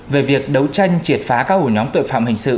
về việc đấu tranh triệt phá các ổ nhóm tội phạm hình sự